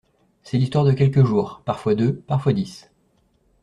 C’est l’histoire de quelques jours, parfois deux, parfois dix.